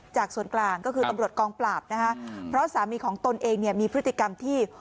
ส่วนกลางก็คือตำรวจกองปราบนะคะเพราะสามีของตนเองเนี่ยมีพฤติกรรมที่